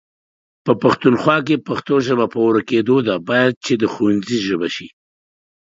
په پښتونخوا کې پښتو ژبه په ورکيدو ده، بايد چې د ښونځي ژبه شي